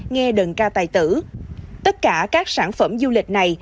nghe đơn ca tài tử tất cả các sản phẩm du lịch này